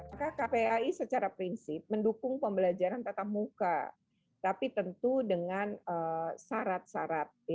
maka kpai secara prinsip mendukung pembelajaran tatap muka tapi tentu dengan syarat syarat